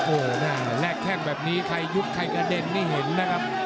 โอ้โหแลกแข้งแบบนี้ใครยุบใครกระเด็นนี่เห็นนะครับ